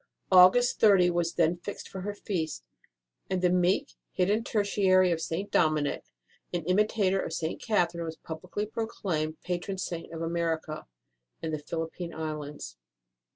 August 30 was then fixed for her Feast, and the meek, hidden Tertiary of St. Dominic and imitator of St. Catherine was publicly pro claimed Patron Saint of America and the Philip pine Isles.